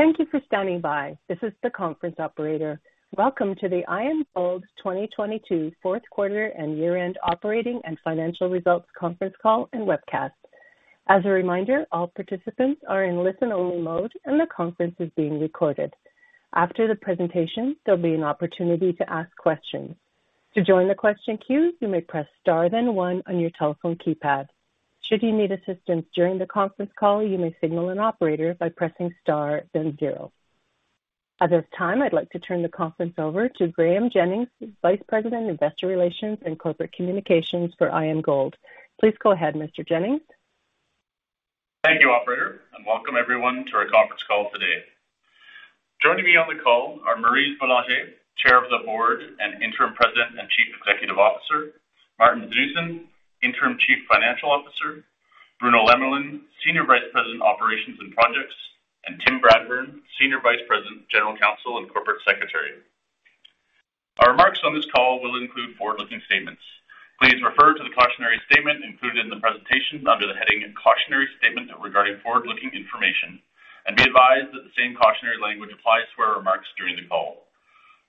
Thank you for standing by. This is the conference operator. Welcome to the IAMGOLD's 2022 fourth quarter and year-end operating and financial results conference call and webcast. As a reminder, all participants are in listen-only mode, and the conference is being recorded. After the presentation, there'll be an opportunity to ask questions. To join the question queue, you may press star then one on your telephone keypad. Should you need assistance during the conference call, you may signal an operator by pressing star then zero. At this time, I'd like to turn the conference over to Graeme Jennings, Vice President, Investor Relations and Corporate Communications for IAMGOLD. Please go ahead, Mr. Jennings. Thank you, operator, and welcome everyone to our conference call today. Joining me on the call are Maryse Bélanger, Chair of the Board and Interim President and Chief Executive Officer, Maarten Theunissen, Interim Chief Financial Officer, Bruno Lemelin, Senior Vice President, Operations and Projects, and Tim Bradburn, Senior Vice President, General Counsel, and Corporate Secretary. Our remarks on this call will include forward-looking statements. Please refer to the cautionary statement included in the presentation under the heading Cautionary Statement regarding forward-looking information and be advised that the same cautionary language applies to our remarks during the call.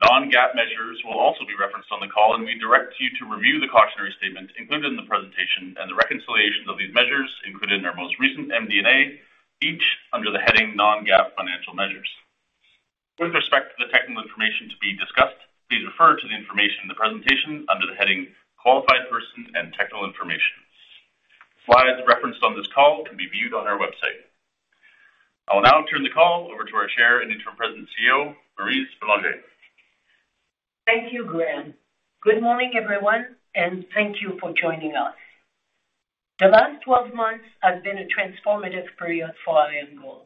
Non-GAAP measures will also be referenced on the call, and we direct you to review the cautionary statement included in the presentation and the reconciliations of these measures included in our most recent MD&A, each under the heading Non-GAAP Financial Measures. With respect to the technical information to be discussed, please refer to the information in the presentation under the heading Qualified Person and Technical Information. Slides referenced on this call can be viewed on our website. I will now turn the call over to our Chair and Interim President CEO, Maryse Bélanger. Thank you, Graeme. Good morning, everyone, thank you for joining us. The last 12 months have been a transformative period for IAMGOLD.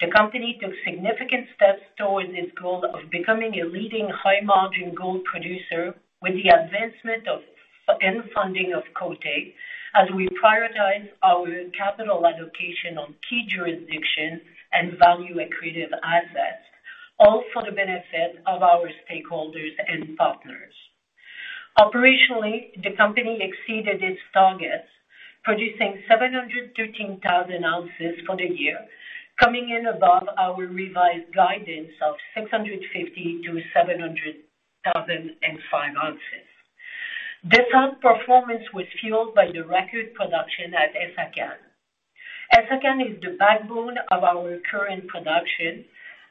The company took significant steps towards its goal of becoming a leading high-margin gold producer with the advancement of and funding of Côté as we prioritize our capital allocation on key jurisdictions and value-accretive assets, all for the benefit of our stakeholders and partners. Operationally, the company exceeded its targets, producing 713,000 oz for the year, coming in above our revised guidance of 650,000-705,000 oz. This outperformance was fueled by the record production at Essakane. Essakane is the backbone of our current production,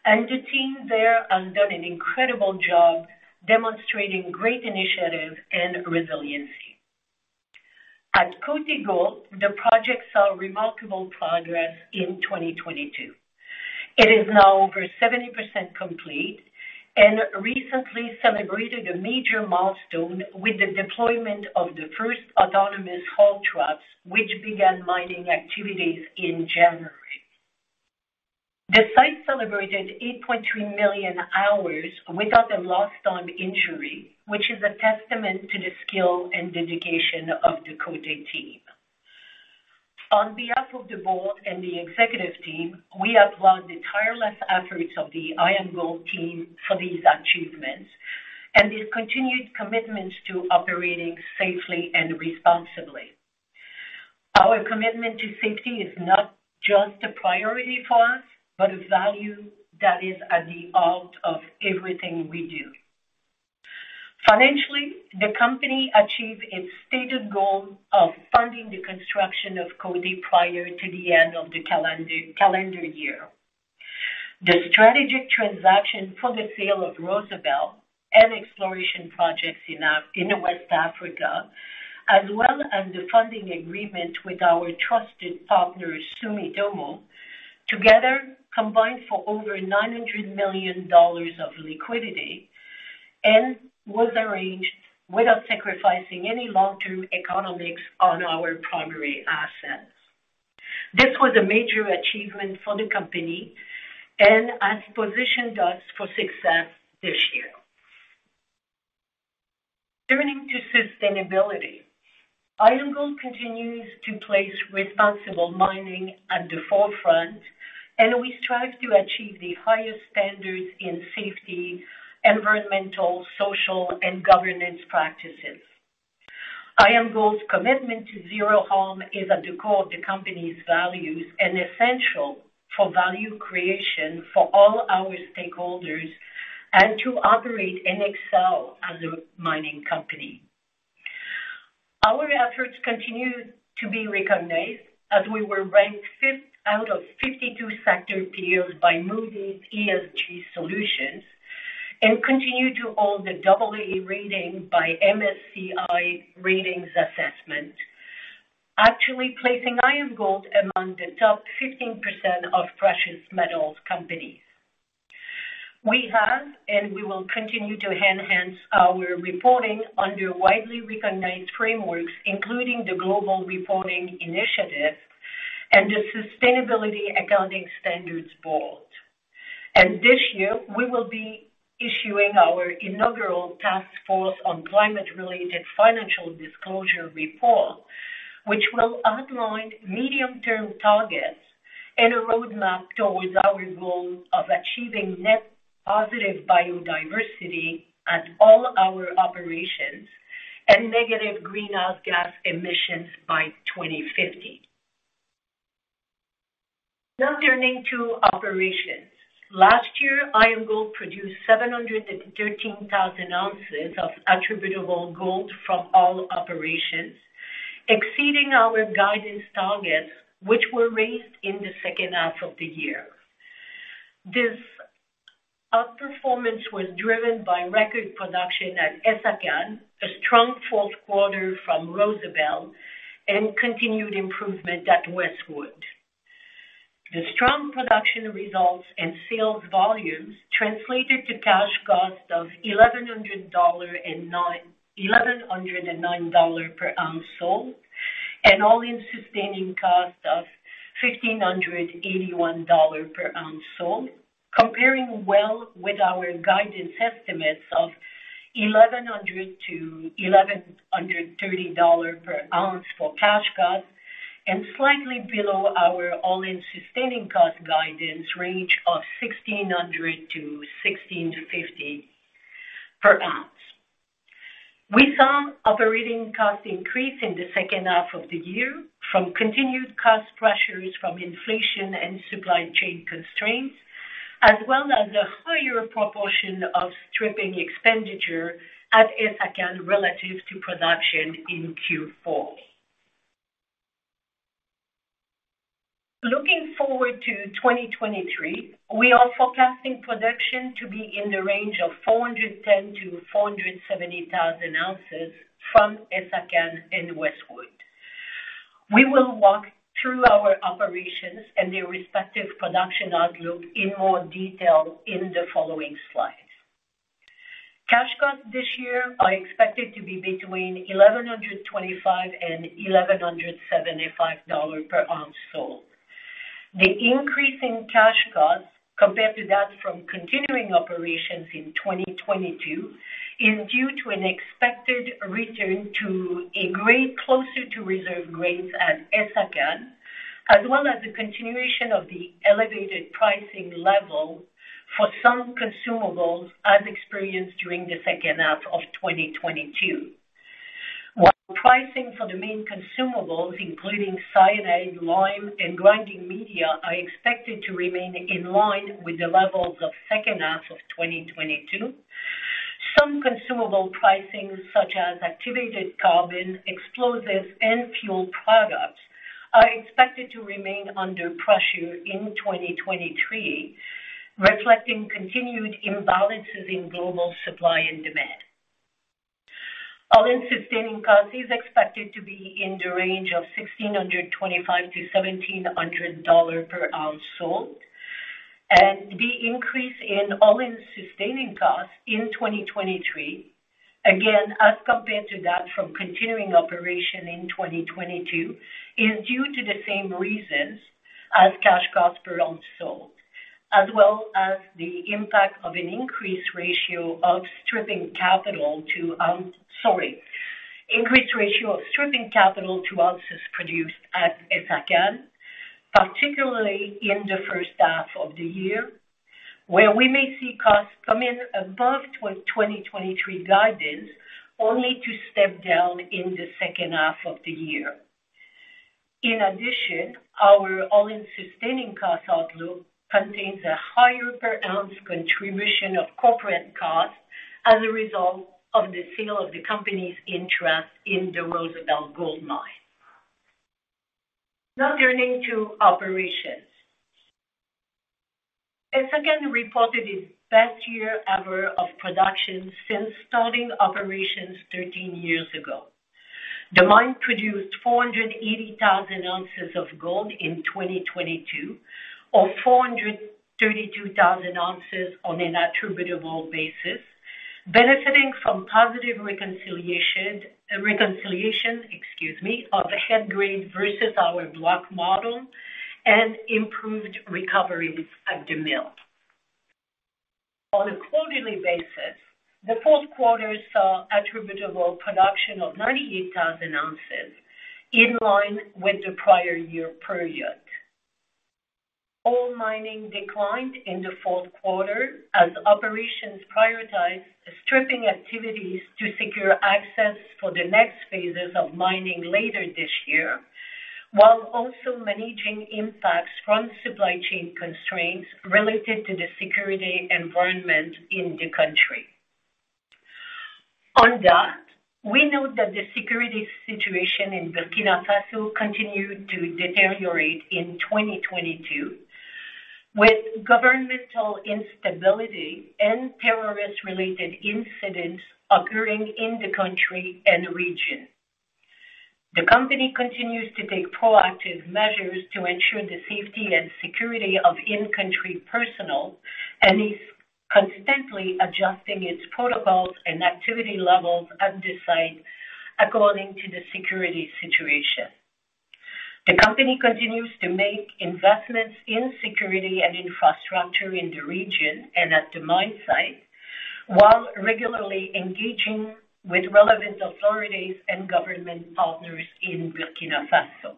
the team there have done an incredible job demonstrating great initiative and resiliency. At Côté Gold, the project saw remarkable progress in 2022. It is now over 70% complete and recently celebrated a major milestone with the deployment of the first autonomous haul trucks, which began mining activities in January. The site celebrated 8.2 million hours without a lost-time injury, which is a testament to the skill and dedication of the Côté team. On behalf of the board and the executive team, we applaud the tireless efforts of the IAMGOLD team for these achievements and their continued commitment to operating safely and responsibly. Our commitment to safety is not just a priority for us, but a value that is at the heart of everything we do. Financially, the company achieved its stated goal of funding the construction of Côté prior to the end of the calendar year. The strategic transaction for the sale of Rosebel and exploration projects in West Africa, as well as the funding agreement with our trusted partner, Sumitomo, together combined for over $900 million of liquidity and was arranged without sacrificing any long-term economics on our primary assets. This was a major achievement for the company and has positioned us for success this year. Turning to sustainability, IAMGOLD continues to place responsible mining at the forefront, and we strive to achieve the highest standards in safety, environmental, social, and governance practices. IAMGOLD's commitment to zero harm is at the core of the company's values and essential for value creation for all our stakeholders and to operate and excel as a mining company. Our efforts continue to be recognized as we were ranked fifth out of 52 sector peers by Moody's ESG Solutions and continue to hold the double A rating by MSCI Ratings Assessment, actually placing IAMGOLD among the top 15% of precious metals companies. We have and we will continue to enhance our reporting under widely recognized frameworks, including the Global Reporting Initiative and the Sustainability Accounting Standards Board. This year, we will be issuing our inaugural Task Force on Climate-related Financial Disclosure report, which will outline medium-term targets and a roadmap towards our goal of achieving net positive biodiversity at all our operations and negative greenhouse gas emissions by 2050. Now turning to operations. Last year, IAMGOLD produced 713,000 ounces of attributable gold from all operations, exceeding our guidance targets, which were raised in the second half of the year. This outperformance was driven by record production at Essakane, a strong fourth quarter from Rosebel, and continued improvement at Westwood. The strong production results and sales volumes translated to cash cost of $1,109 per ounce sold, and all-in sustaining cost of $1,581 per ounce sold, comparing well with our guidance estimates of $1,100-$1,130 per ounce for cash cost and slightly below our all-in sustaining cost guidance range of $1,600-$1,650 per ounce. We saw operating costs increase in the second half of the year from continued cost pressures from inflation and supply chain constraints, as well as a higher proportion of stripping expenditure at Essakane relative to production in Q4. Looking forward to 2023, we are forecasting production to be in the range of 410,000-470,000 oz from Essakane and Westwood. We will walk through our operations and their respective production outlook in more detail in the following slides. Cash costs this year are expected to be between $1,125 and $1,175 per ounce sold. The increase in cash costs compared to that from continuing operations in 2022 is due to an expected return to a grade closer to reserve grades at Essakane, as well as the continuation of the elevated pricing level for some consumables as experienced during the second half of 2022. While pricing for the main consumables, including cyanide, lime, and grinding media, are expected to remain in line with the levels of second half of 2022, some consumable pricing, such as activated carbon, explosives, and fuel products, are expected to remain under pressure in 2023, reflecting continued imbalances in global supply and demand. All-in sustaining cost is expected to be in the range of $1,625-$1,700 per ounce sold. The increase in all-in sustaining costs in 2023, again, as compared to that from continuing operation in 2022, is due to the same reasons as cash cost per ounce sold, as well as the impact of an increased ratio of stripping capital to ounce... Sorry, increased ratio of stripping capital to ounces produced at Essakane, particularly in the first half of the year, where we may see costs come in above 2023 guidance, only to step down in the second half of the year. In addition, our all-in sustaining cost outlook contains a higher per ounce contribution of corporate costs as a result of the sale of the company's interest in the Rosebel gold mine. Turning to operations. Essakane reported its best year ever of production since starting operations 13 years ago. The mine produced 480,000 oz of gold in 2022, or 432,000 oz on an attributable basis, benefiting from positive reconciliation, excuse me, of the head grade versus our block model and improved recoveries at the mill. On a quarterly basis, the fourth quarter saw attributable production of 98,000 oz, in line with the prior year period. Ore mining declined in the fourth quarter as operations prioritized the stripping activities to secure access for the next phases of mining later this year, while also managing impacts from supply chain constraints related to the security environment in the country. On that, we note that the security situation in Burkina Faso continued to deteriorate in 2022, with governmental instability and terrorist-related incidents occurring in the country and region. The company continues to take proactive measures to ensure the safety and security of in-country personnel and is constantly adjusting its protocols and activity levels at the site according to the security situation. The company continues to make investments in security and infrastructure in the region and at the mine site while regularly engaging with relevant authorities and government partners in Burkina Faso.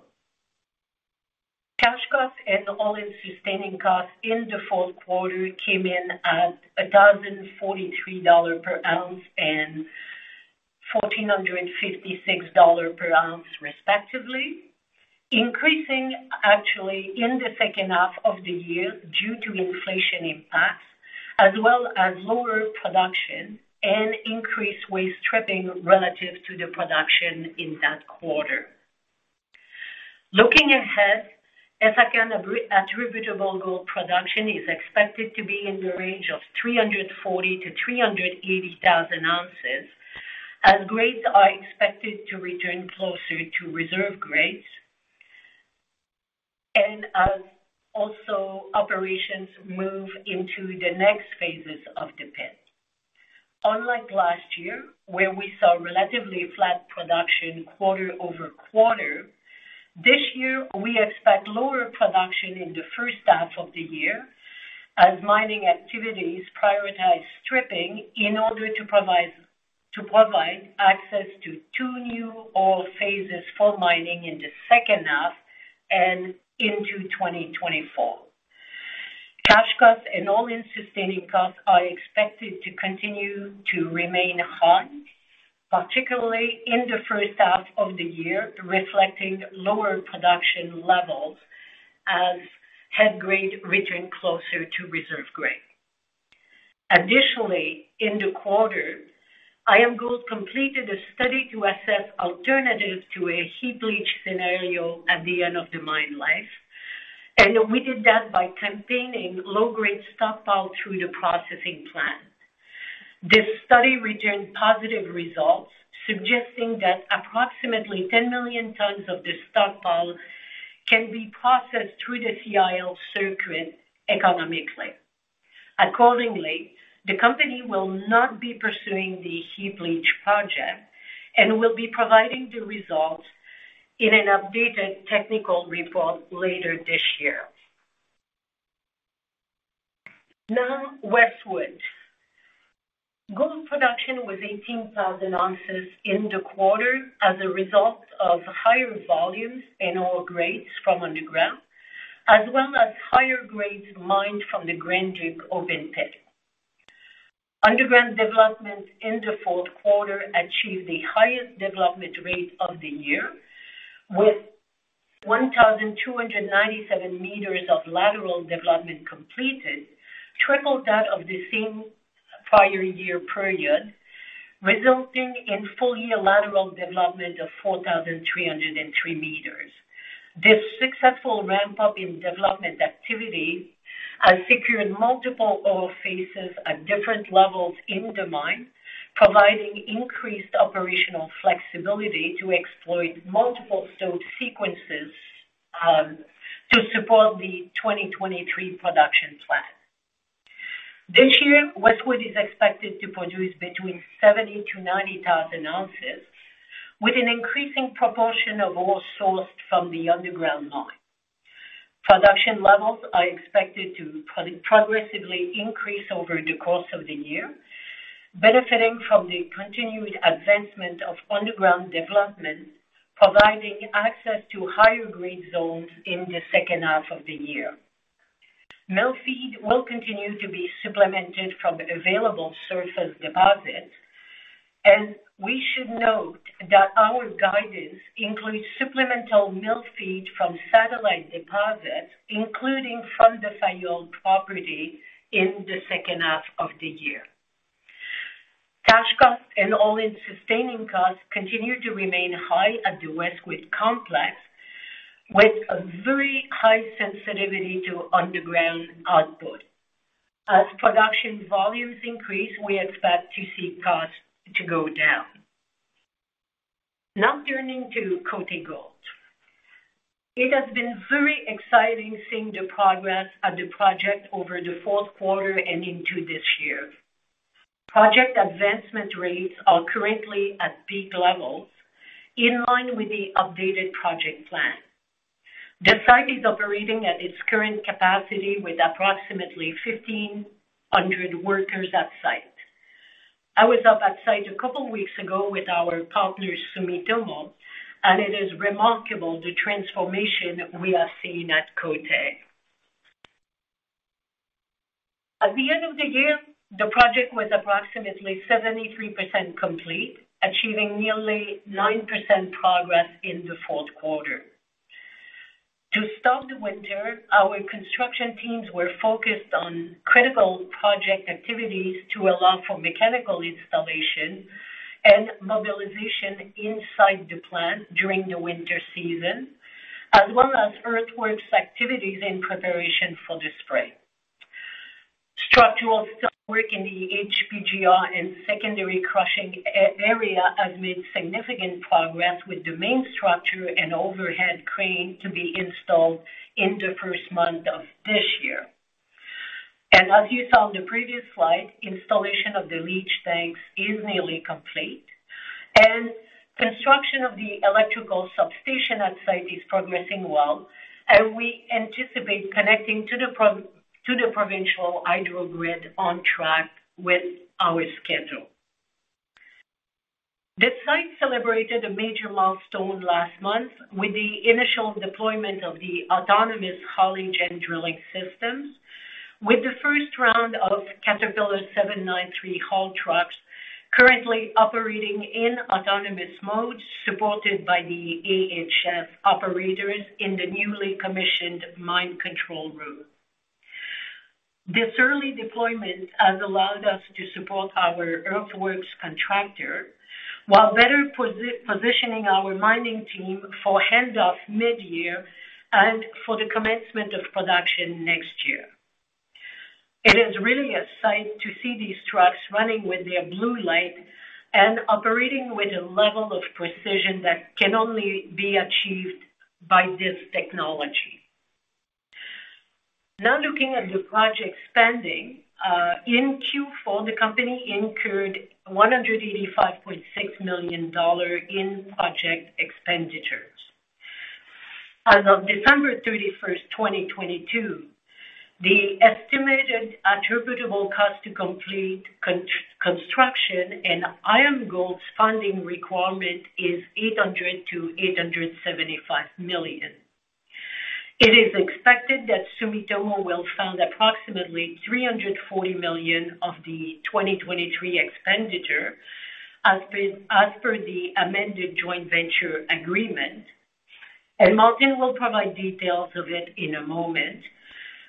All-in sustaining costs in the fourth quarter came in at $1,043 per ounce and $1,456 per ounce respectively, increasing actually in the second half of the year due to inflation impacts as well as lower production and increased waste stripping relative to the production in that quarter. Looking ahead, Essakane attributable gold production is expected to be in the range of 340,000-380,000 oz as grades are expected to return closer to reserve grades and as also operations move into the next phases of the pit. Unlike last year, where we saw relatively flat production quarter-over-quarter, this year we expect lower production in the first half of the year as mining activities prioritize stripping in order to provide access to two new ore phases for mining in the second half and into 2024. Cash costs and all-in sustaining costs are expected to continue to remain high, particularly in the first half of the year, reflecting lower production levels as head grade return closer to reserve grade. In the quarter, IAMGOLD completed a study to assess alternatives to a heap leach scenario at the end of the mine life. We did that by campaigning low-grade stockpile through the processing plant. This study returned positive results suggesting that approximately 10 million tons of this stockpile can be processed through the CIL circuit economically. Accordingly, the company will not be pursuing the heap leach project and will be providing the results in an updated technical report later this year. Westwood. Gold production was 18,000 oz in the quarter as a result of higher volumes and ore grades from underground, as well as higher grades mined from the Grand Guibga open pit. Underground development in the fourth quarter achieved the highest development rate of the year, with 1,297 m of lateral development completed, triple that of the same prior year period, resulting in full year lateral development of 4,303 m. This successful ramp-up in development activity has secured multiple ore phases at different levels in the mine, providing increased operational flexibility to exploit multiple stowed sequences to support the 2023 production plan. This year, Westwood is expected to produce between 70,000-90,000 oz with an increasing proportion of ore sourced from the underground mine. Production levels are expected to progressively increase over the course of the year, benefiting from the continued advancement of underground development, providing access to higher grade zones in the second half of the year. Mill feed will continue to be supplemented from available surface deposits. We should note that our guidance includes supplemental mill feed from satellite deposits, including from the Fayolle property in the second half of the year. Cash costs and all-in sustaining costs continue to remain high at the Westwood complex with a very high sensitivity to underground output. As production volumes increase, we expect to see costs to go down. Turning to Côté Gold. It has been very exciting seeing the progress of the project over the fourth quarter and into this year. Project advancement rates are currently at peak levels in line with the updated project plan. The site is operating at its current capacity with approximately 1,500 workers at site. I was up at site a couple weeks ago with our partner, Sumitomo, and it is remarkable the transformation we are seeing at Côté. At the end of the year, the project was approximately 73% complete, achieving nearly 9% progress in the fourth quarter. To start the winter, our construction teams were focused on critical project activities to allow for mechanical installation and mobilization inside the plant during the winter season, as well as earthworks activities in preparation for the spring. Structural steel work in the HPGR and secondary crushing area has made significant progress with the main structure and overhead crane to be installed in the first month of this year. As you saw on the previous slide, installation of the leach tanks is nearly complete and construction of the electrical substation at site is progressing well and we anticipate connecting to the provincial hydro grid on track with our schedule. The site celebrated a major milestone last month with the initial deployment of the Autonomous Haulage and Drilling Systems, with the first round of Caterpillar 793 haul trucks currently operating in autonomous mode, supported by the AHS operators in the newly commissioned mine control room. This early deployment has allowed us to support our earthworks contractor while better positioning our mining team for handoff mid-year and for the commencement of production next year. It is really a sight to see these trucks running with their blue light and operating with a level of precision that can only be achieved by this technology. Now looking at the project spending. In Q4, the company incurred $185.6 million in project expenditures. As of December 31st, 2022, the estimated attributable cost to complete construction and IAMGOLD's funding requirement is $800 million-$875 million. It is expected that Sumitomo will fund approximately $340 million of the 2023 expenditure as per the amended joint venture agreement, and Maarten will provide details of it in a moment.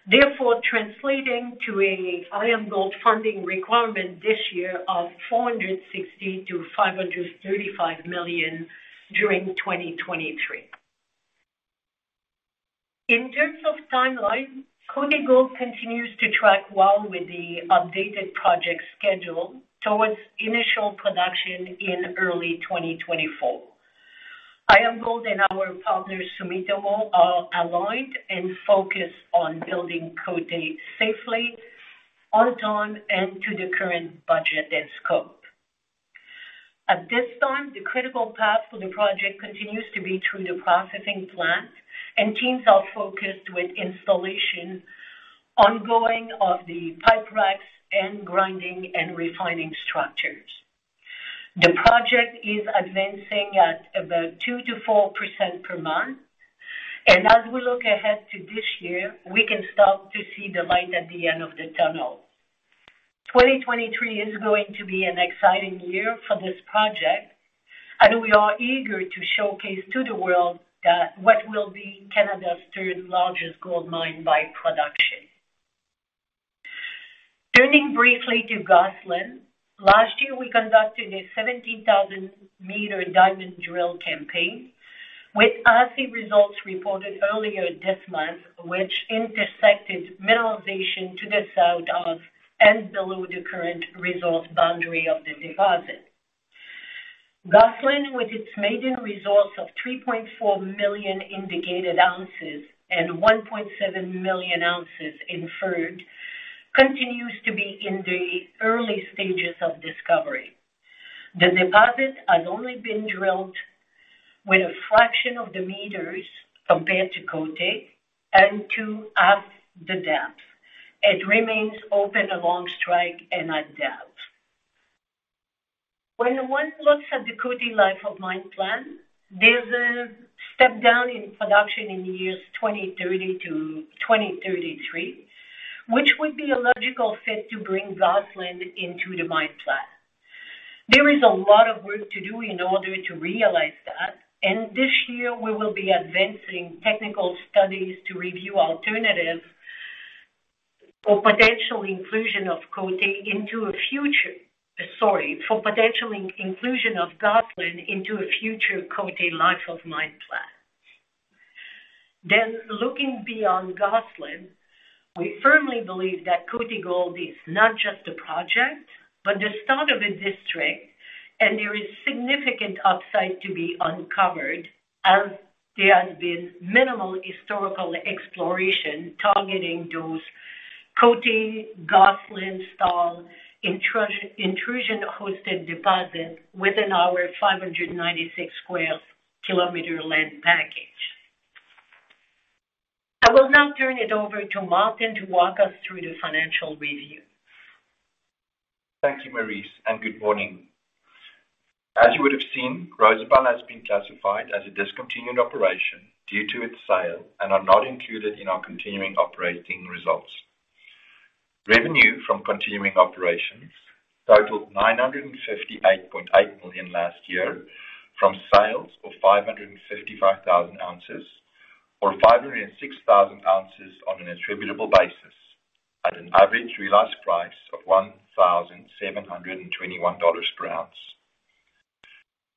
Therefore, translating to a IAMGOLD funding requirement this year of $460 million-$535 million during 2023. In terms of timeline, Côté Gold continues to track well with the updated project schedule towards initial production in early 2024. IAMGOLD and our partner, Sumitomo, are aligned and focused on building Côté safely, on time, and to the current budget and scope. At this time, the critical path for the project continues to be through the processing plant. Teams are focused with installation ongoing of the pipe racks and grinding and refining structures. The project is advancing at about 2%-4% per month. As we look ahead to this year, we can start to see the light at the end of the tunnel. 2023 is going to be an exciting year for this project. We are eager to showcase to the world that what will be Canada's third-largest gold mine by production. Turning briefly to Gosselin. Last year, we conducted a 17,000 m diamond drill campaign with RC results reported earlier this month, which intersected mineralization to the south of and below the current resource boundary of the deposit. Gosselin, with its maiden resource of 3.4 million indicated ounces and 1.7 million ounces inferred, continues to be in the early stages of discovery. The deposit has only been drilled with a fraction of the meters compared to Côté and to half the depth. It remains open along strike and at depth. When one looks at the Côté life of mine plan, there's a step-down in production in the years 2030 to 2033, which would be a logical fit to bring Gosselin into the mine plan. There is a lot of work to do in order to realize that, and this year we will be advancing technical studies to review alternatives for potential inclusion of Gosselin into a future Côté life of mine plan. Looking beyond Gosselin, we firmly believe that Côté Gold is not just a project, but the start of a district, and there is significant upside to be uncovered as there has been minimal historical exploration targeting those Côté, Gosselin-style intrusion-hosted deposits within our 596 sq km land package. I will now turn it over to Maarten to walk us through the financial review. Thank you, Maryse. Good morning. As you would have seen, Rosebel has been classified as a discontinued operation due to its sale and are not included in our continuing operating results. Revenue from continuing operations totaled $958.8 million last year, from sales of 555,000 oz or 506,000 oz on an attributable basis at an average realized price of $1,721 per ounce.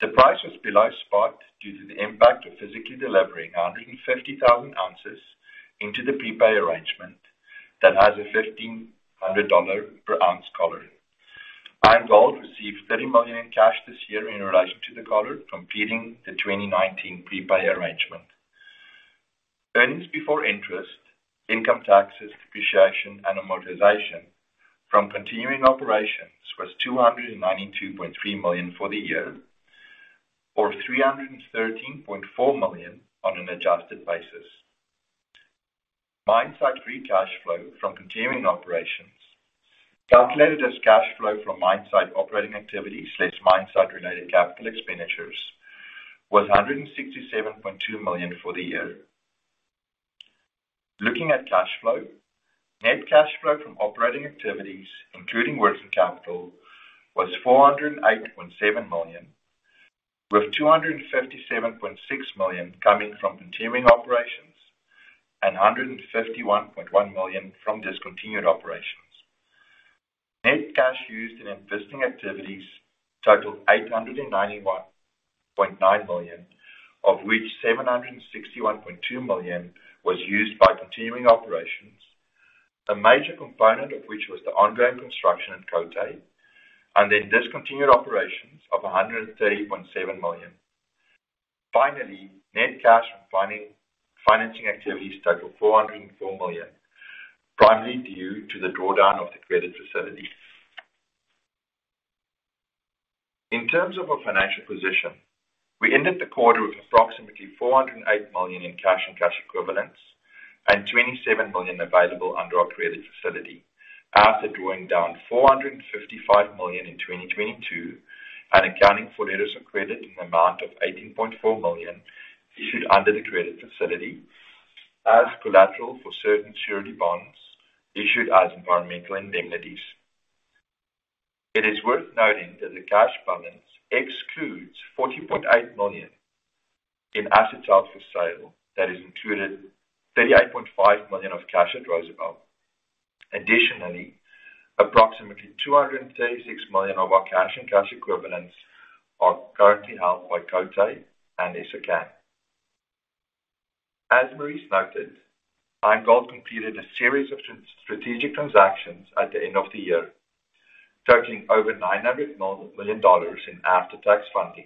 The price was below spot due to the impact of physically delivering 150,000 oz into the prepay arrangement that has a $1,500 per ounce collar. IAMGOLD received $30 million in cash this year in relation to the collar completing the 2019 prepay arrangement. Earnings before interest, income taxes, depreciation, and amortization from continuing operations was $292.3 million for the year or $313.4 million on an adjusted basis. Mine site free cash flow from continuing operations calculated as cash flow from mine site operating activities, less mine site related capital expenditures was $167.2 million for the year. Looking at cash flow, net cash flow from operating activities, including working capital, was $408.7 million, with $257.6 million coming from continuing operations and $151.1 million from discontinued operations. Net cash used in investing activities totaled $891.9 million, of which $761.2 million was used by continuing operations, the major component of which was the ongoing construction at Côté, and then discontinued operations of $131.7 million. Finally, net cash from financing activities totaled $404 million, primarily due to the drawdown of the credit facility. In terms of our financial position, we ended the quarter with approximately $408 million in cash and cash equivalents and $27 million available under our credit facility. After drawing down $455 million in 2022 and accounting for letters of credit in the amount of $18.4 million issued under the credit facility as collateral for certain surety bonds issued as environmental indemnities. It is worth noting that the cash balance excludes $40.8 million in assets up for sale. That has included $38.5 million of cash at Rosebel. Additionally, approximately $236 million of our cash and cash equivalents are currently held by Côté and Essakane. As Maryse noted, IAMGOLD completed a series of strategic transactions at the end of the year, totaling over $900 million in after-tax funding,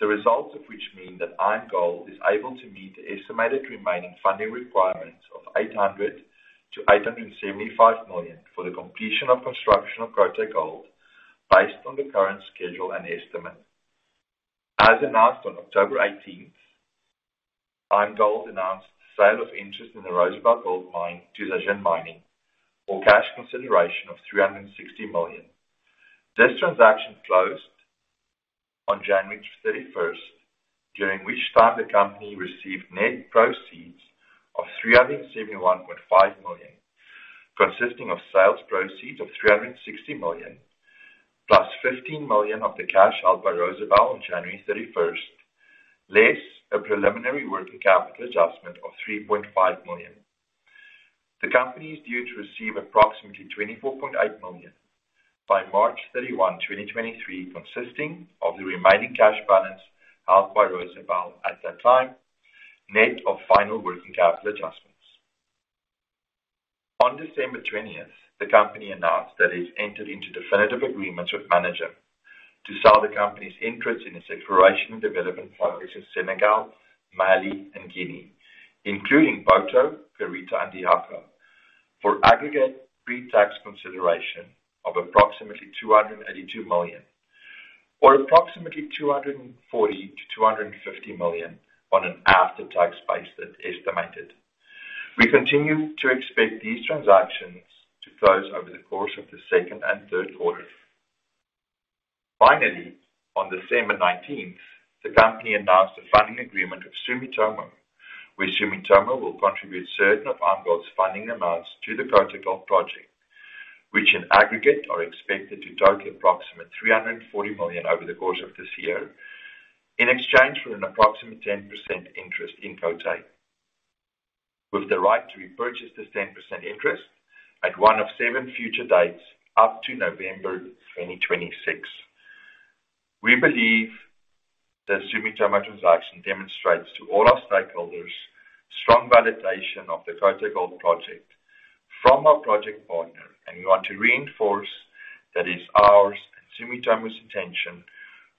the results of which mean that IAMGOLD is able to meet the estimated remaining funding requirements of $800 million-$875 million for the completion of construction of Côté Gold based on the current schedule and estimate. As announced on October 18th, IAMGOLD announced the sale of interest in the Rosebel Gold Mine to Zijin Mining for cash consideration of $360 million. This transaction closed on January 31st, during which time the company received net proceeds of $371.5 million, consisting of sales proceeds of $360 million, plus $15 million of the cash held by Rosebel on January 31st, less a preliminary working capital adjustment of $3.5 million. The company is due to receive approximately $24.8 million by March 31, 2023, consisting of the remaining cash balance held by Rosebel at that time, net of final working capital adjustments. On December 20th, the company announced that it's entered into definitive agreements with Managem to sell the company's interest in its exploration and development projects in Senegal, Mali, and Guinea, including Boto, Karita, and Diakha, for aggregate pretax consideration of approximately $282 million, or approximately $240 million-$250 million on an after-tax basis estimated. We continue to expect these transactions to close over the course of the second and third quarters. Finally, on December 19th, the company announced a funding agreement with Sumitomo, where Sumitomo will contribute certain of IAMGOLD's funding amounts to the Côté Gold Project, which in aggregate are expected to total approximately $340 million over the course of this year in exchange for an approximate 10% interest in Côté, with the right to repurchase this 10% interest at one of seven future dates up to November 2026. We believe the Sumitomo transaction demonstrates to all our stakeholders strong validation of the Côté Gold Project from our project partner. We want to reinforce that it's ours and Sumitomo's intention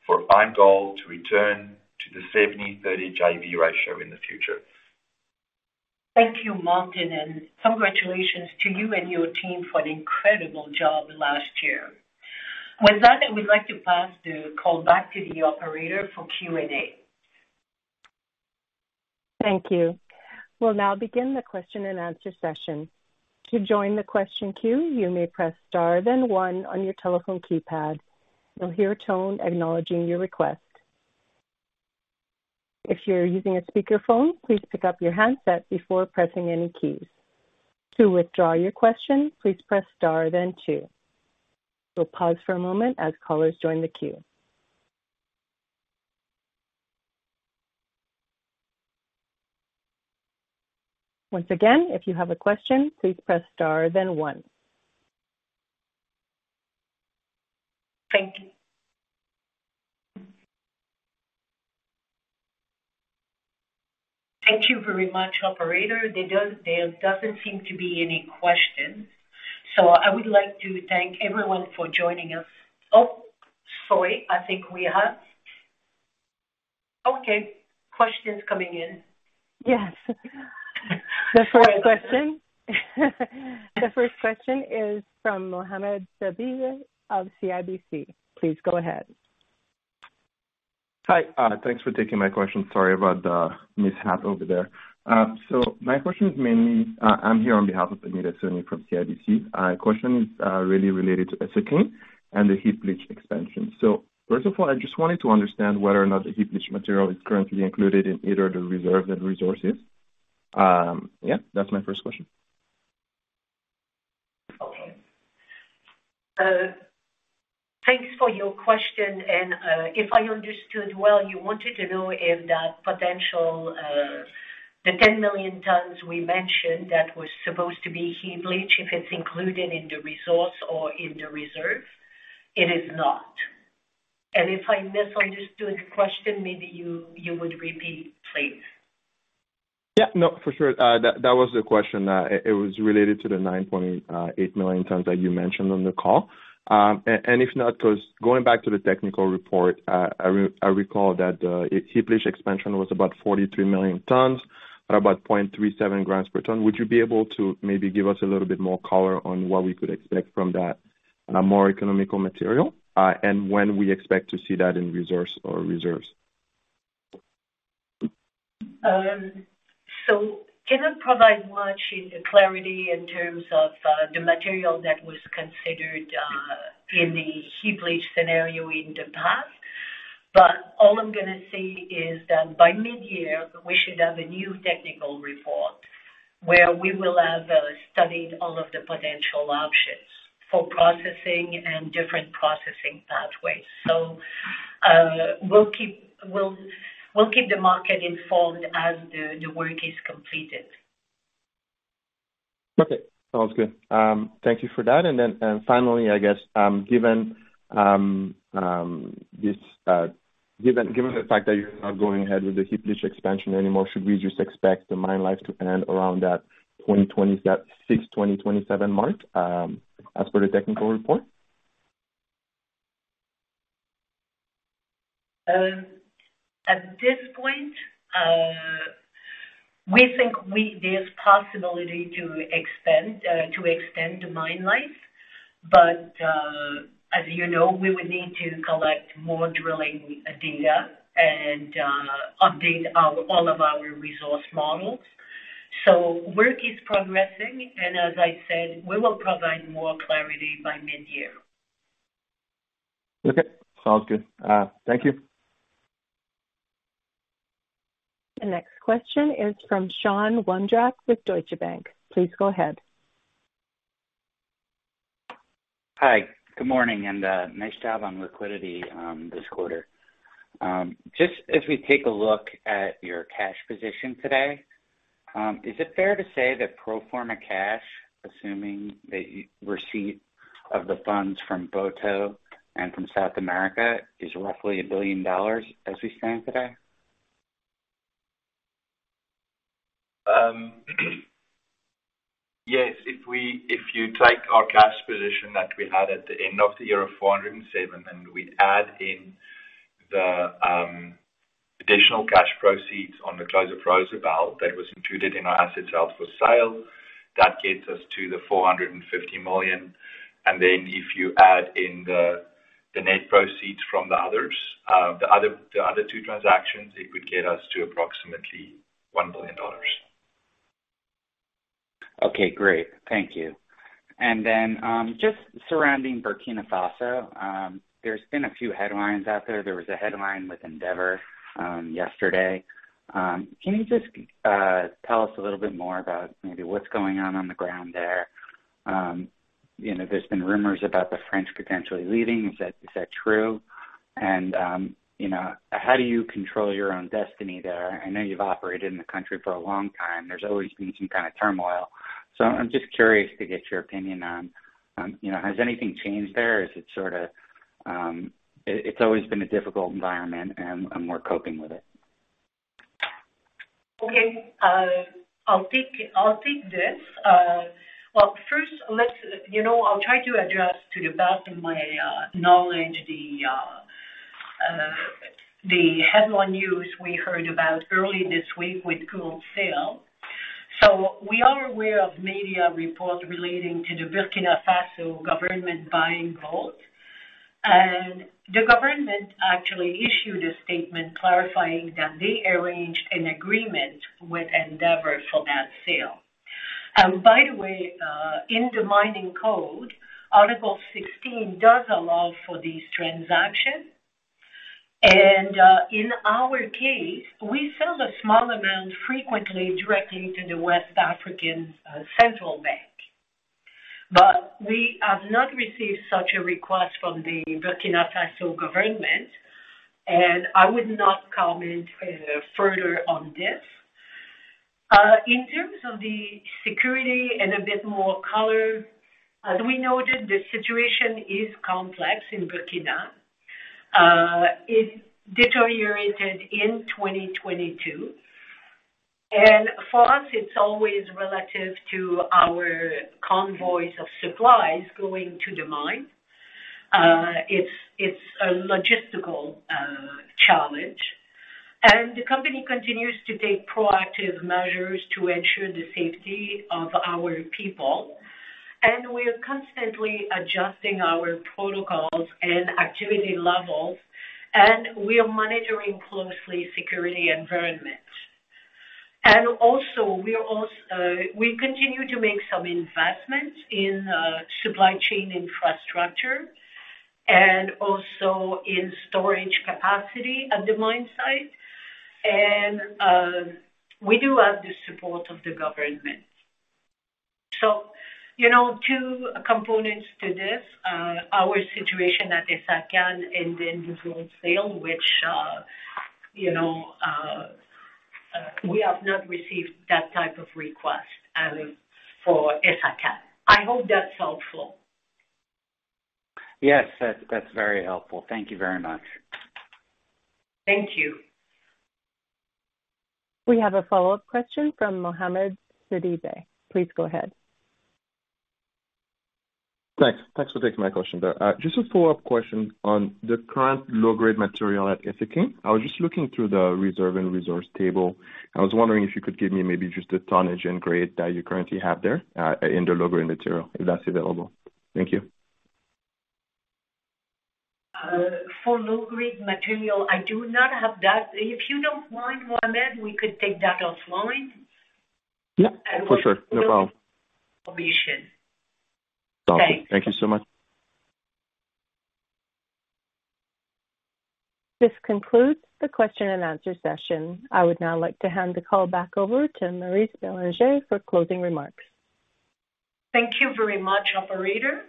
for IAMGOLD to return to the 70-30 JV ratio in the future. Thank you, Martin, and congratulations to you and your team for an incredible job last year. With that, I would like to pass the call back to the operator for Q&A. Thank you. We'll now begin the question-and-answer session. To join the question queue, you may press star then one on your telephone keypad. You'll hear a tone acknowledging your request. If you're using a speakerphone, please pick up your handset before pressing any keys. To withdraw your question, please press star then two. We'll pause for a moment as callers join the queue. Once again, if you have a question, please press star then one. Thank you. Thank you very much, operator. There doesn't seem to be any questions, so I would like to thank everyone for joining us. Oh, sorry. I think we have. Okay, question's coming in. Yes. The first question is from Mohamed Sidibé of CIBC. Please go ahead. Hi, thanks for taking my question. Sorry about the mishap over there. My question is mainly, I'm here on behalf of Anita Soni from CIBC. Question is really related to Essakane and the heap leach expansion. First of all, I just wanted to understand whether or not the heap leach material is currently included in either the reserve and resources? Yeah, that's my first question. Okay. Thanks for your question. If I understood well, you wanted to know if that potential, the 10 million tons we mentioned that was supposed to be heap leach, if it's included in the resource or in the reserve, it is not. If I misunderstood the question, maybe you would repeat, please. Yeah, no, for sure. That was the question. It was related to the 9.8 million tons that you mentioned on the call. And if not, 'cause going back to the technical report, I recall that heap leach expansion was about 43 million tons at about 0.37 g per ton. Would you be able to maybe give us a little bit more color on what we could expect from that more economical material, and when we expect to see that in resource or reserves? Cannot provide much clarity in terms of the material that was considered in the heap leach scenario in the past, but all I'm going to say is that by mid-year, we should have a new technical report where we will have studied all of the potential options for processing and different processing pathways. We'll keep the market informed as the work is completed. Okay, sounds good. Thank you for that. I guess, given the fact that you're not going ahead with the heap leach expansion anymore, should we just expect the mine life to end around that 2027 mark, as per the technical report? At this point, there's possibility to extend the mine life, but as you know, we would need to collect more drilling data and update our all of our resource models. Work is progressing, and as I said, we will provide more clarity by mid-year. Okay, sounds good. Thank you. The next question is from Carey MacRury with Deutsche Bank. Please go ahead. Hi. Good morning, and nice job on liquidity this quarter. Just if we take a look at your cash position today, is it fair to say that pro forma cash, assuming the receipt of the funds from Boto and from South America, is roughly $1 billion as we stand today? Yes, if you take our cash position that we had at the end of the year, $407 million, and we add in the additional cash proceeds on the close of Rosebel that was included in our assets held for sale, that gets us to the $450 million. If you add in the net proceeds from the other two transactions, it would get us to approximately $1 billion. Okay, great. Thank you. Just surrounding Burkina Faso, there's been a few headlines out there. There was a headline with Endeavour yesterday. Can you just tell us a little bit more about maybe what's going on on the ground there? You know, there's been rumors about the French potentially leaving. Is that true? You know, how do you control your own destiny there? I know you've operated in the country for a long time. There's always been some kind of turmoil. I'm just curious to get your opinion on, you know, has anything changed there? Is it sort of, it's always been a difficult environment and more coping with it. Okay. I'll take, I'll take this. Well, first, let's, you know, I'll try to address to the best of my knowledge the headline news we heard about early this week with gold sale. We are aware of media reports relating to the Burkina Faso government buying gold. The government actually issued a statement clarifying that they arranged an agreement with Endeavour for that sale. By the way, in the mining code, Article 16 does allow for these transactions. In our case, we sell a small amount frequently directly to the Central Bank of West African States. We have not received such a request from the Burkina Faso government, and I would not comment further on this. In terms of the security and a bit more color, as we noted, the situation is complex in Burkina. It deteriorated in 2022. For us, it's always relative to our convoys of supplies going to the mine. It's, it's a logistical challenge. The company continues to take proactive measures to ensure the safety of our people. We are constantly adjusting our protocols and activity levels, and we are monitoring closely security environment. Also, we continue to make some investments in supply chain infrastructure and also in storage capacity at the mine site. We do have the support of the government. You know, two components to this, our situation at Essakane and then the gold sale, which, you know, we have not received that type of request for Essakane. I hope that's helpful. Yes. That's very helpful. Thank you very much. Thank you. We have a follow-up question from Mohamed Sidibé. Please go ahead. Thanks. Thanks for taking my question. Just a follow-up question on the current low-grade material at Essakane. I was just looking through the reserve and resource table. I was wondering if you could give me maybe just the tonnage and grade that you currently have there in the low-grade material, if that's available? Thank you. for low-grade material, I do not have that. If you don't mind, Fahad, we could take that offline. Yeah. For sure. No problem. We should. Awesome. Thank you so much. This concludes the question and answer session. I would now like to hand the call back over to Maryse Bélanger for closing remarks. Thank you very much, operator.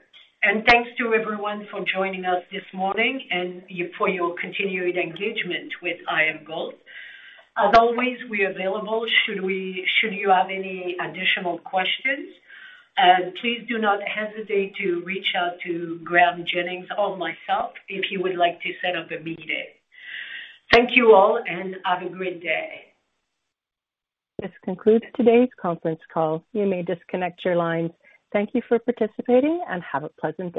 Thanks to everyone for joining us this morning for your continued engagement with IAMGOLD. As always, we're available Should you have any additional questions. Please do not hesitate to reach out to Graeme Jennings or myself if you would like to set up a meeting. Thank you all, and have a great day. This concludes today's conference call. You may disconnect your lines. Thank you for participating and have a pleasant day.